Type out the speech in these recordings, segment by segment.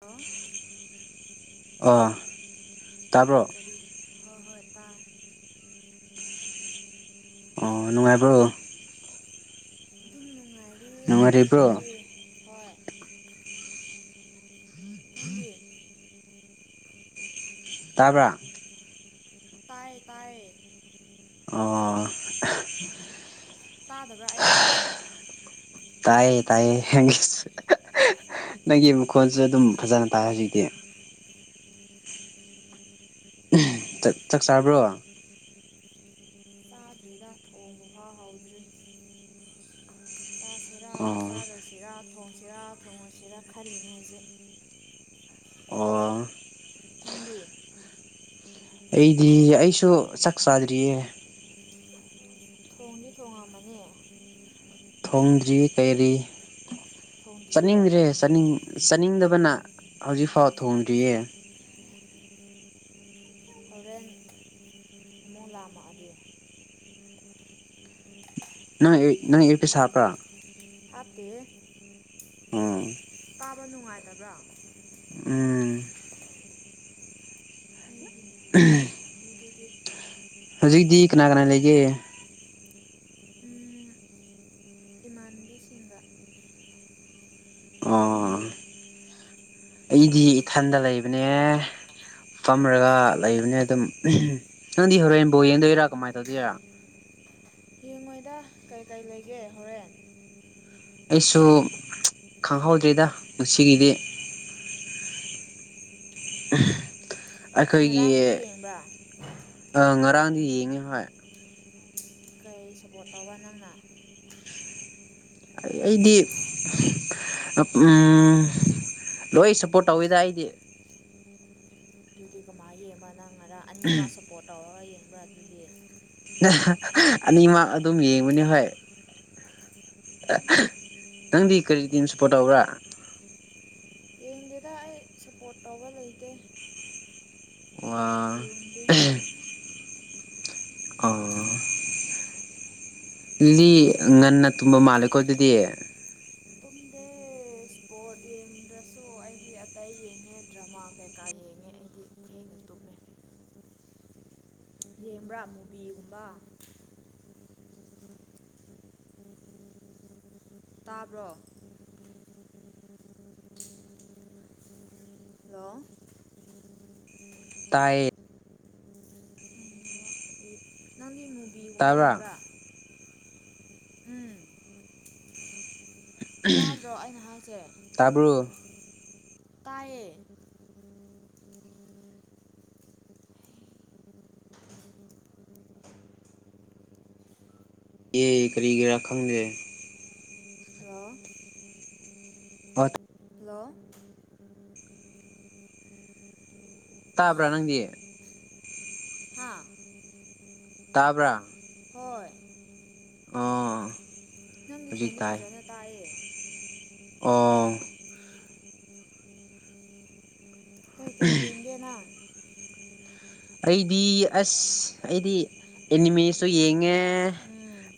ꯑ ꯑ ꯇꯥꯕ꯭ꯔꯣ ꯑꯔꯤ ꯍꯍꯣꯏ ꯇꯥꯏ ꯑꯣ ꯅꯨꯡꯉꯥꯏꯕ꯭ꯔꯣ ꯅꯨꯡꯉꯥꯏꯔꯤꯌꯦ ꯅꯪꯗꯤ ꯅꯨꯡꯉꯥꯏꯔꯤꯕ꯭ꯔꯣ ꯍꯣꯏ ꯅꯪꯗꯤꯦ ꯇꯥꯕ꯭ꯔ ꯇꯥꯏ ꯇꯥꯏꯌꯦ ꯑꯣ ꯇꯥꯗꯕ꯭ꯔꯥ ꯑꯩꯅ ꯍꯥꯏꯁꯦ ꯇꯥꯏꯌꯦ ꯇꯥꯏꯌꯦ ꯅꯪꯒꯤ ꯅꯪꯒꯤ ꯃꯈꯣꯟꯁꯨ ꯑꯗꯨꯝ ꯐꯖꯅ ꯇꯥꯏ ꯍꯧꯖꯤꯛꯇꯤ ꯆꯥꯛ ꯆꯥꯕ꯭ꯔꯣ ꯆꯥꯗ꯭ꯔꯤꯗ ꯊꯣꯡꯕ ꯐꯥꯎ ꯍꯥꯎꯗ꯭ꯔꯤ ꯆꯥꯁꯦꯔ ꯆꯥꯔꯣꯢꯁꯦ ꯁꯤꯔꯥ ꯊꯣꯡꯁꯤꯔꯥ ꯊꯣꯡꯉꯣꯏꯁꯤꯔꯥ ꯈꯜꯂꯤꯅꯦ ꯍꯧꯖꯤꯛ ꯑꯣ ꯅꯪꯗꯤ ꯑꯩꯗꯤ ꯑꯩꯁꯨ ꯆꯥꯛ ꯆꯥꯗ꯭ꯔꯤꯌꯦ [unintelligible] ꯊꯣꯡꯗꯤ ꯊꯣꯡꯉꯝꯃꯅꯤ ꯊꯣꯡꯗ꯭ꯔꯤ ꯀꯩꯔꯤ ꯊꯣꯡꯗ꯭ꯔꯤꯌꯦ ꯆꯠꯅꯤꯡꯗ꯭ꯔꯦ ꯅꯤꯡ ꯆꯥꯅꯤꯡꯗꯕꯅ ꯍꯧꯖꯤꯛꯐꯥꯎ ꯊꯣꯡꯗ꯭ꯔꯤꯌꯦ ꯍꯣꯔꯦꯟ ꯑꯃꯨ ꯂꯥꯝꯃꯛꯑꯗꯤ ꯅꯪ ꯅꯪ ꯏꯌꯔꯄꯤꯁ ꯍꯥꯝꯄ꯭ꯔꯥ ꯍꯥꯞꯇꯦꯍꯦ ꯎꯝ ꯇꯥꯕ ꯅꯨꯡꯉꯥꯏꯇꯕ꯭ꯔꯥ ꯎꯝ ꯑꯩꯒꯤ ꯅꯦꯠꯋꯥꯛꯅ ꯑꯣꯏꯔꯝꯅꯤ ꯑꯗꯨꯗꯤ ꯍꯧꯖꯤꯛꯇꯤ ꯀꯅꯥ ꯀꯅꯥ ꯂꯩꯒꯦ ꯕꯤꯁꯤꯡꯒ ꯑꯣ ꯑꯩꯗꯤ ꯏꯊꯟꯗ ꯂꯩꯕꯅꯦ ꯐꯝꯔꯒ ꯂꯩꯕꯅꯦ ꯑꯗꯨꯝ ꯅꯪꯗꯤ ꯍꯣꯔꯦꯟ ꯕꯣꯜ ꯌꯦꯡꯗꯣꯏꯔ ꯀꯃꯥꯏ ꯇꯧꯗꯣꯏꯔ ꯌꯦꯡꯉꯣꯏꯗ ꯀꯩꯀꯩ ꯂꯩꯒꯦ ꯍꯣꯔꯦꯟ ꯑꯩꯁꯨ ꯈꯪꯍꯧꯗ꯭ꯔꯦꯗ ꯉꯁꯤꯒꯤꯗꯤ ꯑꯩꯈꯣꯏꯒꯤ ꯉꯔꯥꯡꯗꯤ ꯌꯦꯡꯕ꯭ꯔꯥ ꯉꯔꯥꯡꯗꯤ ꯌꯦꯡꯉꯤ ꯍꯣꯏ ꯀꯩ ꯁꯞꯄꯣꯔꯠ ꯇꯧꯕ ꯅꯪꯅ ꯑꯩꯗꯤ [unintelligible] ꯂꯣꯏ ꯁꯞꯄꯣꯔꯠ ꯇꯧꯋꯤꯗ ꯑꯩꯗꯤ ꯑꯗꯨꯗꯤ ꯀꯃꯥꯏ ꯌꯦꯡꯕ ꯅꯪ ꯈꯔ ꯑꯅꯤꯃꯛ ꯁꯞꯄꯣꯔꯠ ꯇꯧꯔꯒ ꯌꯦꯡꯕ꯭ꯔꯥ ꯑꯗꯨꯗꯤ ꯑꯅꯤꯃꯛ ꯑꯗꯨꯝ ꯌꯦꯡꯕꯅꯤ ꯍꯣꯏ ꯅꯪꯗꯤ ꯀꯔꯤ ꯇꯤꯝ ꯁꯄꯣꯔꯠ ꯇꯧꯕ꯭ꯔꯥ ꯌꯦꯡꯗꯦꯗ ꯑꯩ ꯁꯞꯄꯣꯔꯠ ꯇꯧꯕ ꯂꯩꯇꯦ ꯋꯥ ꯌꯦꯡꯗꯦ ꯑꯣ ꯅꯤ ꯀꯔꯤ ꯉꯟꯅ ꯇꯨꯝꯕ ꯃꯥꯜꯂꯦꯀꯣ ꯑꯗꯨꯗꯤ ꯇꯨꯗ‌ꯦ ꯏꯁꯄꯣꯔꯠ ꯌ‌ꯦꯡ ꯇꯨꯝꯗ꯭ꯔꯁꯨ ꯑꯩꯒꯤ ꯑꯇꯩ ꯌꯦꯡꯉꯦ ꯗ꯭ꯔꯃꯥ ꯀꯩꯀꯥ ꯌꯦꯡꯉꯦ ꯑꯩꯗꯤ ꯊ‌ꯦꯡꯅꯥ ꯇꯨꯝ ꯌꯦꯡꯕ꯭ꯔꯥ ꯃꯨꯕꯤꯒꯨꯝꯕ ꯇꯥꯕ꯭ꯔꯣ ꯍꯂ‌ꯣ ꯇꯥꯏꯌꯦ ꯅꯪꯗꯤ ꯃꯨꯕꯤꯒꯨꯝꯕ ꯇꯥꯕ꯭ꯔꯥ ꯌꯦꯡꯕ꯭ꯔꯥ ꯎꯝ ꯇꯥꯗ꯭ꯔꯣ ꯑꯩꯅ ꯍꯥꯏꯖꯦ ꯇꯥꯕ꯭ꯔꯣ ꯇꯥꯢꯌꯦ [inaudible] ꯑꯦ ꯀꯔꯤꯒꯤꯔꯥ ꯈꯪꯗꯦ ꯍꯜꯂꯣ ꯍꯣꯏ ꯍꯜꯂꯣ ꯇꯥꯕ꯭ꯔꯥ ꯅꯪꯒꯤ ꯍꯥꯥ ꯇꯥꯕꯔꯥ ꯍꯣꯏ ꯑꯣ ꯅꯪꯒꯤ ꯍꯧꯖꯤꯛ ꯈꯣꯟꯗꯤ ꯇꯥꯏ ꯐꯖꯅ ꯇꯥꯏꯌ‌ꯦ ꯑꯣ ꯀꯩ ꯀꯧ ꯌꯦꯡꯒꯦ ꯅꯪ ꯑꯩꯗꯤ ꯑꯁ ꯑꯩꯗꯤ ꯑꯦꯅꯤꯃꯦꯁꯨ ꯌꯦꯡꯉꯦ ꯎꯝ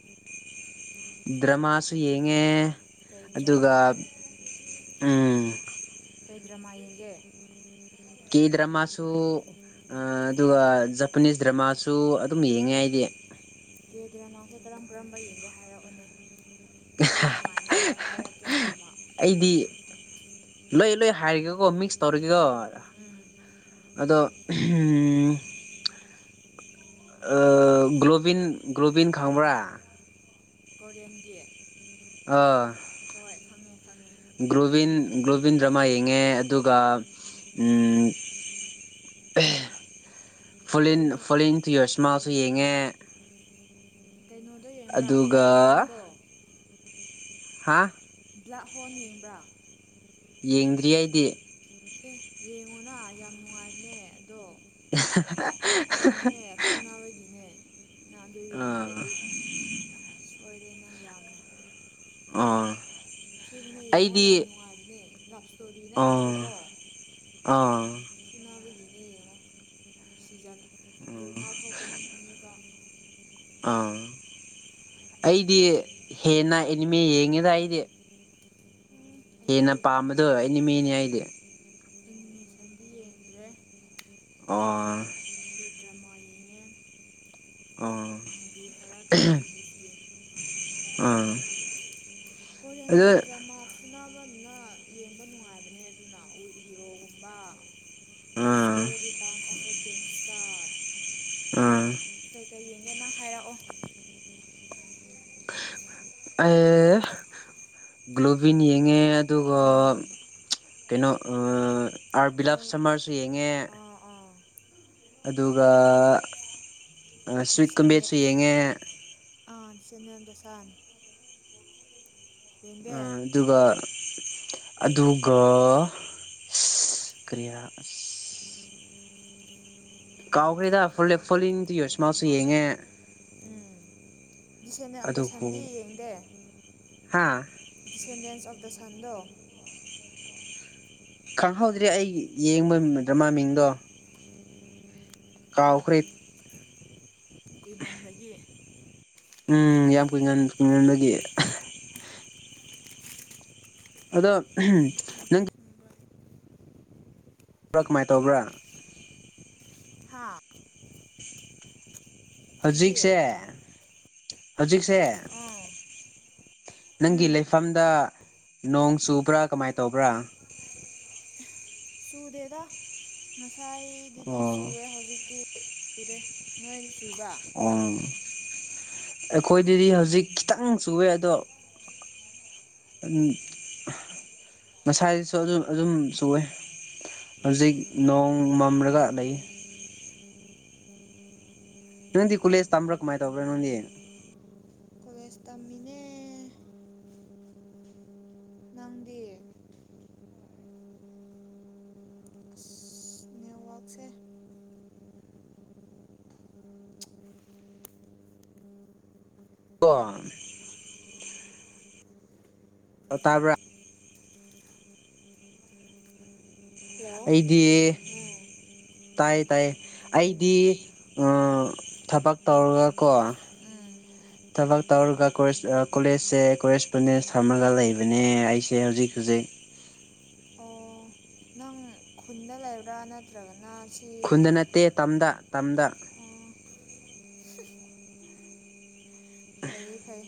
ꯗ꯭ꯔꯃꯥꯁꯨ ꯌꯦꯡꯉꯦ ꯀꯩ ꯗ꯭ꯔꯃꯥ ꯑꯗꯨꯒ ꯎꯝ ꯀꯩꯗ꯭ꯔꯃꯥ ꯌꯦꯡꯒꯦ ꯀꯦ ꯗ꯭ꯔꯃꯥꯁꯨ ꯑꯗꯨꯒ ꯖꯄꯅꯤꯁ ꯗ꯭ꯔꯃꯥꯁꯨ ꯑꯗꯨꯝ ꯌꯦꯡꯉꯦ ꯑꯩꯗꯤ ꯀꯦ ꯗ꯭ꯔꯃꯥꯁꯦ ꯀꯔꯝ ꯀꯔꯝꯕ ꯌꯦꯡꯒꯦ ꯍꯥꯏꯔꯛꯎꯅꯦ ꯑꯩ ꯅꯨꯡꯉꯥꯏ ꯅꯨꯡꯉꯥꯏꯕ ꯍꯥꯏꯔꯛꯀꯦ ꯗ꯭ꯔꯃꯥ ꯑꯩꯗꯤ ꯂꯣꯏ ꯂꯣꯏ ꯍꯥꯏꯔꯒꯦꯀꯣ ꯃꯤꯛꯁ ꯇꯧꯔꯒꯦꯀꯣ ꯎꯝ ꯑꯗꯣ [unintelligible] ꯑꯥ ꯒ꯭ꯂꯑꯣꯕꯤꯟ ꯒ꯭ꯂꯣꯕꯤꯟ ꯈꯪꯕ꯭ꯔꯥ ꯀꯣꯔꯤꯌꯟꯒꯤ ꯑꯥ ꯍꯣꯏ ꯈꯪꯉꯦ ꯈꯪꯉꯦ ꯈꯪꯗ꯭ꯔꯗꯤ ꯑꯃ ꯌꯦꯡꯉꯦ ꯑꯗꯨꯒ ꯎꯝ [unintelligible] ꯐꯨꯂꯤꯟ ꯀꯩꯅꯣ ꯐꯨꯂꯤꯡꯇꯨꯌꯣꯁꯃꯥꯁꯨ ꯌꯦꯡꯉꯦ ꯀꯩꯅꯣꯗꯣ ꯌꯦꯡꯕ꯭ꯔꯥ ꯑꯗꯨꯒ ꯕ꯭ꯂꯠ ꯍꯣꯟꯗꯣ ꯍꯥꯥ ꯕ꯭ꯂꯥꯛ ꯍꯣꯟ ꯌꯦꯡꯕ꯭ꯔꯥ ꯌꯦꯡꯗ꯭ꯔꯤ ꯑꯩꯗꯤ ꯑꯦ ꯌꯦꯡꯉꯣꯅꯥ ꯌꯥꯝ ꯅꯨꯡꯉꯥꯏꯕꯅꯦ ꯑꯗꯣ ꯀꯩꯅꯣꯅꯦ ꯐꯨꯅꯥꯕꯒꯤꯅꯦ ꯅꯪ ꯑꯗꯨ ꯑꯥ ꯌꯦꯡꯗ꯭ꯔꯗꯤ ꯁꯣꯏꯔꯦ ꯅꯪ ꯌꯥꯝ ꯑꯣ [unintelligible] ꯌꯦꯡꯉꯣ ꯌꯥꯝ ꯅꯨꯡꯉꯥꯏꯕꯅꯦ ꯂꯞꯏꯁꯇꯣꯔꯤ ꯑꯥ ꯅꯠꯇꯦꯕꯀꯣ ꯑꯥ ꯅꯥꯕꯒꯤꯅ‌ꯦ ꯌꯦꯡꯉꯣ ꯁꯤꯖꯟ ꯇꯨ ꯐꯥꯎ ꯊꯣꯛꯄꯅꯦ ꯑꯅꯤ ꯐꯥꯎ ꯑꯥ ꯑꯩꯗꯤ ꯍꯦꯟꯅ ꯑꯦꯅꯤꯃꯦ ꯌꯦꯡꯉꯤꯗ ꯑꯩꯗꯤ ꯍꯦꯟꯅ ꯑꯩꯗꯤ ꯄꯥꯝꯕꯗꯣ ꯑꯩꯅꯤꯃꯤꯅꯤ ꯑꯩꯗꯤ ꯑꯦꯅꯤꯃꯦꯁꯟꯗꯤ ꯌꯦꯡꯗ꯭ꯔꯦ [unintelligible] ꯀꯦ ꯗ꯭ꯔꯃꯥ ꯌꯦꯡꯉꯦ ꯑ [inaudible] ꯏꯁꯀꯤꯝ ꯑꯥ ꯑꯗꯨ ꯀ‌ꯦ ꯗ꯭ꯔꯃꯥ ꯐꯨꯅꯕꯅ ꯌꯦꯡꯕ ꯅꯨꯡꯉꯥꯏꯕꯅꯦ ꯑꯗꯨꯅ ꯎꯏꯔꯣꯒꯨꯝꯕ ꯑꯥ high school return of a gangster ꯑꯥ ꯀꯩꯀꯩ ꯌꯦꯡꯒꯦ ꯅꯪ ꯍꯥꯏꯔꯛꯑꯣ ꯑꯦ ꯒ꯭ꯂꯣꯕꯤꯟ ꯌꯦꯡꯉꯦ ꯑꯗꯨꯒ ꯎꯝ ꯀꯩꯅꯣ ꯑꯥ ꯑꯔꯕꯤꯂꯥꯞꯁ ꯐꯨꯜ ꯁꯃꯔꯁꯨ ꯌꯦꯡꯉꯦ ꯑꯥ ꯑꯥ ꯑꯗꯨꯒ ꯑꯥ ꯁꯨꯋꯤꯠ ꯗꯤꯁꯦꯟꯗ ꯀꯨꯝꯕꯦꯠꯁꯨ ꯌꯦꯡꯉꯦ ꯑꯥ ꯆꯟꯅꯞ [unintelligible] ꯁꯟ ꯌꯦꯡꯗꯦ ꯑꯩ ꯑꯗꯨꯒ ꯑꯗꯨꯒ ꯀꯔꯤꯔ ꯀꯥꯎꯈ꯭ꯔꯦꯗ ꯐꯣꯂꯦ [unintelligible] ꯎꯝ ꯗꯤꯁꯦꯟꯅ [unintelligible] ꯌꯦꯡꯗꯦ ꯍꯥꯥ ꯗꯤꯁꯦꯟꯗꯦꯟꯁ ꯑꯣꯐ ꯗ ꯁꯟꯗꯣ ꯈꯪꯍꯧꯗ꯭ꯔꯦ ꯑꯩ ꯌꯦꯡꯕ ꯗ꯭ꯔꯃꯥ ꯃꯤꯡꯗꯣ ꯀꯥꯎꯈ꯭ꯔꯦ ꯀꯨꯏꯃꯟꯕꯒꯤ ꯎꯝ ꯌꯥꯝ ꯀꯨꯏꯃꯟꯕꯒꯤ ꯑꯗꯣ ꯑꯍꯝ ꯀꯃꯥꯏ ꯇꯧꯕ꯭ꯔꯥ ꯍꯥꯥ ꯀꯔꯤ ꯍꯧꯖꯤꯛꯁꯦ ꯍꯧꯖꯤꯛꯁꯦ ꯑꯥ ꯅꯪꯒꯤ ꯎꯝ ꯂꯩꯐꯝꯗ ꯅꯣꯡ ꯆꯨꯕ꯭ꯔꯥ ꯀꯃꯥꯏ ꯇꯧꯕ꯭ꯔꯥ ꯆꯨꯗꯦꯗ ꯉꯁꯥꯏꯗꯨꯗꯤ ꯑꯣ ꯆꯨꯑꯦ ꯍꯧꯖꯤꯛꯇꯤ ꯆꯨꯗꯦ ꯅꯣꯏꯗ ꯆꯨꯕ꯭ꯔ ꯎꯝ ꯑꯩꯈꯣꯏꯗꯗꯤ ꯍꯧꯖꯤꯛ ꯈꯤꯇꯪ ꯆꯨꯋꯦ ꯑꯗꯣ ꯎꯝ ꯉꯁꯥꯏꯗꯩꯁꯨ ꯑꯗꯨꯝ ꯑꯗꯨꯝ ꯁꯋꯦ ꯍꯧꯖꯤꯛ ꯅꯣꯡ ꯃꯝꯂꯒ ꯂꯩ ꯅꯣꯏꯗꯤ ꯀꯣꯂꯦꯁ ꯇꯝꯕ꯭ꯔ ꯀꯃꯥꯏ ꯇꯧꯕ꯭ꯔꯦ ꯅꯣꯏꯗꯤ ꯀꯣꯂꯦꯁ ꯇꯝꯃꯤꯅꯦ ꯅꯪꯗꯤ [unintelligible] ꯅꯦꯠꯋꯛꯁꯦ [inaudible] ꯀꯣ ꯑꯣ ꯇꯥꯕ꯭ꯔ ꯍꯜꯂꯣ ꯎꯝ ꯇꯥꯏꯌꯦ ꯇꯥꯏꯌꯦ ꯎꯝ ꯑꯩꯗꯤ ꯑ ꯊꯕꯛ ꯇꯧꯔꯒꯀꯣ [inaudible] ꯊꯕꯛ ꯇꯧꯔꯒꯦ ꯀꯣꯂꯦꯖꯁꯦ ꯀꯣꯔꯦꯁꯄꯣꯟꯗꯦꯟꯁ ꯊꯝꯃꯒ ꯂꯩꯕꯅꯦ ꯑꯩꯁꯦ ꯍꯧꯖꯤꯛ ꯍꯧꯖꯤꯛ ꯑꯣ ꯅꯪ ꯈꯨꯟꯅ ꯂꯩꯕ꯭ꯔꯥꯅ ꯇ꯭ꯔꯒꯅꯥ ꯈꯨꯟꯗ ꯅꯠꯇꯦ ꯇꯝꯗ ꯇꯝꯗ ꯁ ꯐꯩ ꯐꯩ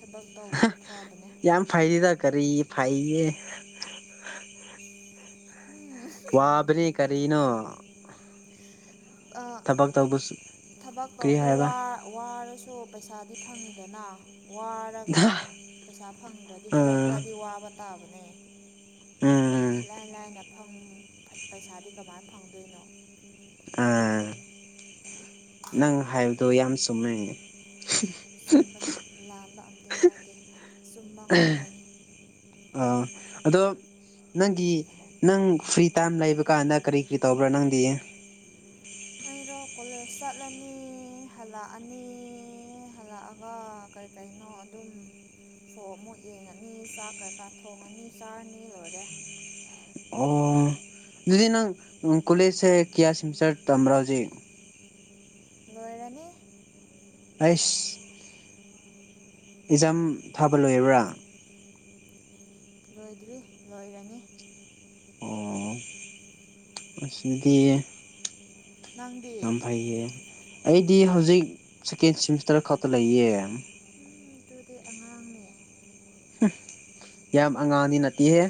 ꯊꯕꯛ ꯇꯧꯕꯗꯤ ꯐꯕꯅꯦ ꯌꯥꯝ ꯐꯩꯗꯤꯗ ꯀꯔꯤ ꯐꯩꯌꯦ ꯋꯥꯕꯅꯤ ꯀꯔꯤꯅꯣ ꯊꯕꯛ ꯇꯧꯕꯁꯨ ꯊꯕꯛ ꯀꯔꯤ ꯇꯧꯕꯒꯤ ꯍꯥꯏꯕ ꯋꯥꯔꯁꯨ ꯄꯩꯁꯥꯗꯤ ꯐꯪꯉꯤꯗꯅ ꯋꯥꯔꯒ ꯄꯩꯁꯥ ꯐꯪꯗ꯭ꯔꯗꯤ ꯈꯔ ꯎꯝ ꯈꯔꯗꯤ ꯋꯥꯕ ꯇꯥꯕꯅꯦ ꯎꯝ ꯎꯝ ꯏꯂꯥꯏ ꯂꯥꯏꯅ ꯐꯝ ꯄꯩꯁꯥꯗꯤ ꯀꯃꯥꯏꯅ ꯐꯪꯗꯣꯏꯅꯣ ꯑꯥ ꯅꯪ ꯍꯥꯏꯕꯗꯨꯣ ꯌꯥꯝ ꯆꯨꯝꯃꯦ ꯆꯨꯝꯕꯅꯦ ꯂꯥꯟꯕ ꯑꯝꯇ ꯑꯌꯥꯎꯗꯦ ꯆꯨꯝꯕ ꯉꯥꯛꯇꯅꯦ ꯑ ꯑꯗꯣ ꯅꯪꯒꯤ ꯅꯪ ꯐ꯭ꯔꯤ ꯇꯥꯏꯝ ꯂꯩꯕ ꯀꯥꯟꯗ ꯀꯔꯤ ꯀꯔꯤ ꯇꯧꯕ꯭ꯔꯥ ꯅꯪꯗꯤ ꯑꯩꯔꯣ ꯀꯣꯂꯦꯖ ꯆꯠꯂꯅꯤ ꯍꯜꯂꯛꯑꯅꯤ ꯍꯜꯂꯛꯑꯒ ꯀꯩ ꯀꯩꯅꯣ ꯑꯗꯨꯝ ꯁꯣ ꯑꯃꯨꯛ ꯌꯦꯡꯉꯅꯤ ꯆꯥꯛ ꯀꯩꯀꯥ ꯊꯣꯡꯉꯅꯤ ꯆꯥꯔꯅꯤ ꯂꯣꯏꯔꯦ ꯑꯣ ꯑꯗꯨꯗꯤ ꯅꯪ ꯀꯣꯂꯦꯖꯁꯦ ꯀꯌꯥ ꯁꯤꯃꯤꯁꯇꯔ ꯇꯝꯕ꯭ꯔꯥ ꯍꯧꯖꯤꯛ ꯂꯣꯏꯔꯅꯤ ꯑꯩꯁ ꯑꯦꯛꯖꯥꯝ ꯊꯥꯕ ꯂꯣꯏꯔꯕ꯭ꯔꯥ ꯂꯣꯏꯗ꯭ꯔꯤ ꯂꯣꯏꯔꯅꯤ ꯑꯁꯗꯤ ꯅꯪꯗꯤ ꯉꯝꯐꯥꯏꯌꯦ ꯑꯩꯗꯤ ꯍꯧꯖꯤꯛ ꯁꯦꯀꯦꯟ ꯁꯤꯃꯤꯁꯇꯔ ꯈꯛꯇ ꯂꯩꯌꯦ ꯎꯝ ꯑꯗꯨꯗꯤ ꯑꯉꯥꯡꯅꯦ ꯌꯥꯝ ꯑꯉꯥꯡꯗꯤ ꯅꯠꯇꯦꯍꯦ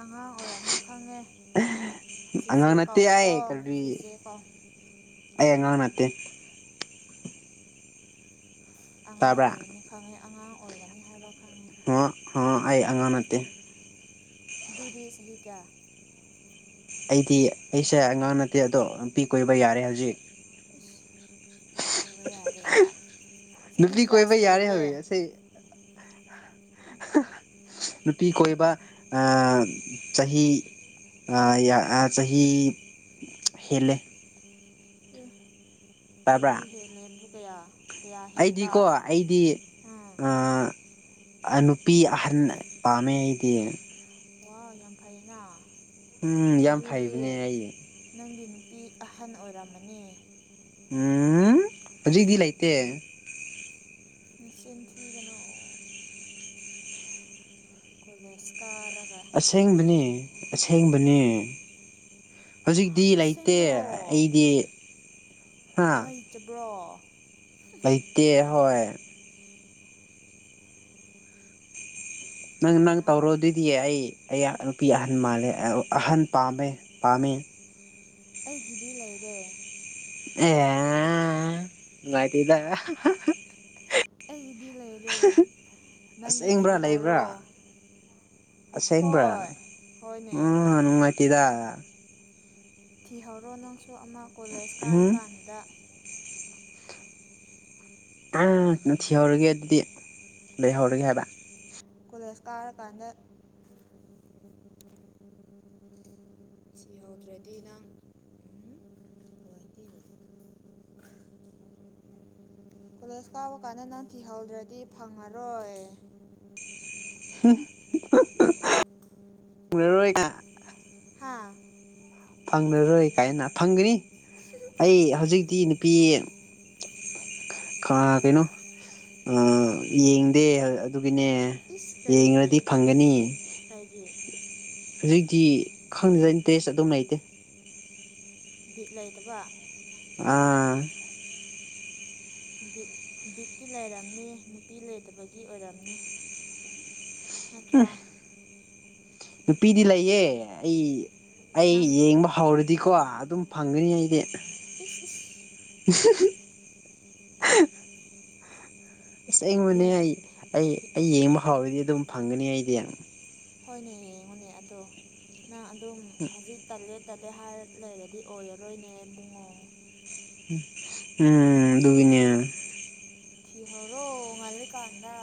ꯑꯉꯥꯡ ꯑꯣꯏꯔꯝꯅꯤ ꯈꯪꯉꯦ ꯁꯤꯁꯦ ꯑꯉꯥꯡ ꯅꯠꯇꯦ ꯀꯧꯎꯀꯣ ꯑꯩ ꯀꯔꯤ ꯁꯤꯁꯦ ꯀꯧ ꯑꯩ ꯑꯉꯥꯡ ꯅꯠꯇꯦ ꯑꯉꯥꯡ ꯇꯥꯕ꯭ꯔꯥ ꯑꯣꯏꯒꯅꯤ ꯈꯪꯉꯤ ꯑꯉꯥꯡ ꯑꯣꯏꯒꯅꯤ ꯍꯥꯏꯕ ꯈꯪꯉꯤ ꯍ ꯍ ꯑꯩ ꯑꯉꯥꯡ ꯅꯠꯇꯦ ꯑꯗꯨꯗꯨꯗꯤ ꯆꯍꯤ ꯀꯌꯥ ꯑꯩꯗꯤ ꯑꯩꯁꯦ ꯑꯉꯥꯡ ꯅꯠꯇꯦ ꯑꯗꯣ ꯅꯨꯄꯤ ꯀꯣꯏꯕ ꯌꯥꯔꯦ ꯍꯧꯖꯤꯛ ꯇꯕ ꯌꯥꯔꯦꯒ ꯆꯍꯤ ꯅꯨꯄꯤ ꯀꯌꯥ ꯀꯣꯏꯕ ꯌꯥꯔꯦ ꯍꯧꯖꯤꯛ ꯁꯨꯔꯒꯦ ꯑꯁꯤ ꯅꯨꯄꯤ ꯀꯣꯏꯕ ꯆꯍꯤ ꯑ ꯌꯥ ꯆꯍꯤꯍꯤ ꯍꯦꯂꯦ ꯑꯦ ꯇꯥꯕ [unintelligible] ꯍꯦꯟꯕ ꯑꯩꯗꯤꯀꯣ ꯑꯩꯗꯤ ꯎꯝ ꯅꯨꯄꯤ ꯑꯍꯟ ꯄꯥꯝꯃꯦ ꯑꯩꯗꯤ ꯋꯥ ꯌꯥꯝ ꯐꯩꯌꯦꯅ ꯎꯝ ꯌꯥꯝ ꯑꯗꯨꯗꯤ ꯐꯩꯕꯅꯦ ꯑꯩ ꯅꯪꯒꯤ ꯅꯨꯄꯤ ꯑꯍꯟ ꯑꯣꯏꯔꯝꯃꯅꯤ ꯎꯝ ꯍꯧꯖꯤꯛꯗꯤ ꯂꯩꯇꯦ ꯆꯤꯟ ꯊꯤꯒꯅꯣ ꯀꯣꯂꯦꯁ ꯀꯥꯔꯒ ꯑꯁꯦꯡꯕꯅꯤ ꯑꯁꯦꯡꯕꯅꯤ ꯍꯧꯖꯤꯛꯇꯤ ꯂꯩꯇꯦ ꯑꯁꯦꯡꯕ꯭ꯔꯣ ꯑꯩꯗꯤ ꯍꯥ ꯂꯩꯇꯕ꯭ꯔꯣ ꯂꯩꯇꯦ ꯍꯣꯏ ꯅꯪ ꯅꯪ ꯇꯧꯔꯣ ꯑꯗꯨꯗꯤ ꯑꯩ ꯑꯩ ꯅꯨꯄꯤ ꯑꯍꯟ ꯃꯥꯜꯂꯦ ꯑꯍꯟ ꯄꯥꯝꯃꯦ ꯄꯥꯝꯃꯦ ꯑꯩꯒꯤꯗꯤ ꯂꯩꯔꯦ ꯑꯦ ꯅꯨꯡꯉꯥꯏꯇꯦꯗꯥ ꯑꯩꯒꯤꯗꯤ ꯂꯩꯔꯦ ꯅꯪꯒꯤ ꯑꯁꯦꯡꯕ꯭ꯔꯥ [unintelligible] ꯍꯥꯏꯔꯣ ꯂꯩꯕ꯭ꯔꯥ ꯍꯣꯏ ꯍꯣꯏꯅꯦ ꯅꯨꯡꯉꯥꯏꯇꯦꯗꯥ ꯊꯤꯍꯧꯔꯣ ꯅꯪꯁꯨ ꯑꯃ ꯀꯣꯂꯦꯖ ꯀꯥꯔꯥ ꯎꯝ ꯀꯥꯟꯗꯨꯗ ꯇꯜ ꯊꯤꯍꯧꯔꯒꯦ ꯑꯗꯨꯗꯤ ꯂꯩꯍꯧꯔꯒꯦ ꯍꯥꯏꯕ ꯀꯣꯂꯦꯖ ꯀꯥꯔꯀꯥꯟꯗ ꯁꯤꯍꯧꯗ꯭ꯔꯗꯤ ꯅꯪ ꯂꯣꯏꯗꯤ ꯀꯣꯂꯦꯖ ꯀꯥꯎꯕ ꯀꯥꯟꯗ ꯅꯪ ꯊꯤꯍꯧꯗ꯭ꯔꯗꯤ ꯐꯪꯉꯔꯣꯏ ꯍ ꯎꯅꯔꯣꯏꯒ ꯍꯥꯥ ꯐꯪꯂꯉꯔꯣꯏ ꯀꯥꯏꯅ ꯐꯪꯒꯅꯤ ꯑꯩ ꯍꯧꯖꯤꯛꯇꯤ ꯅꯨꯄꯤ [inaudible] ꯀꯩꯅꯣ ꯌꯦꯡꯗꯦ ꯑꯗꯨꯒꯤꯅꯦ ꯌꯦꯡꯉꯗꯤ ꯐꯪꯒꯅꯤ ꯍꯥꯏꯗꯤ ꯍꯧꯖꯤꯛꯇꯤ ꯈꯪꯗꯦ ꯏꯟꯇꯔꯔꯦꯁ ꯑꯗꯨꯝ ꯂꯩꯇꯦ ꯕꯤꯠ ꯂꯩꯗꯕ ꯑꯥ ꯕꯤꯠ ꯕꯤꯠꯇꯤ ꯂꯩꯔꯝꯅꯤ ꯅꯨꯄꯤ ꯂꯩꯇꯕꯒꯤ ꯑꯣꯏꯔꯝꯅꯤ ꯅꯠꯇ꯭ꯔꯥ ꯅꯨꯄꯤꯗꯤ ꯂꯩꯌꯦ ꯑꯩ ꯑꯩ ꯅꯪ ꯌꯦꯡꯕ [unintelligible] ꯗꯤꯀꯣ ꯑꯗꯨꯝ ꯐꯪꯒꯅꯤ ꯑꯩꯗꯤ ꯏꯁ ꯏꯁ [unintelligible] ꯑꯁ [unintelligible] ꯌꯦꯡ ꯑꯩ ꯑꯩ ꯑꯩ ꯌꯦꯡꯕ ꯍꯥꯎꯔꯗꯤ ꯑꯗꯨꯝ ꯐꯪꯒꯅꯤ ꯑꯩꯗꯤ ꯍꯣꯏꯅꯦ ꯍꯌꯦꯡꯉꯣꯅꯦ ꯑꯗꯣ ꯅꯪ ꯑꯗꯨꯝ ꯍꯧꯖꯤꯛ ꯇꯜꯂꯦ [unintelligible] ꯍꯥꯏꯔ ꯂꯩꯔꯗꯤ ꯑꯣꯏꯔꯥꯔꯣꯏꯅꯦ ꯏꯕꯨꯡꯉꯣ ꯎꯝ ꯗꯨꯒꯤꯅꯦ ꯊꯤꯍꯩꯔꯣ ꯍꯩꯖꯤꯛꯀꯥꯟꯗꯥ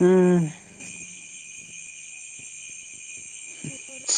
ꯎꯝ [unintelligible]